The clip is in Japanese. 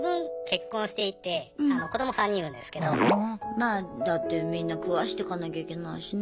まあだってみんな食わしてかなきゃいけないしね。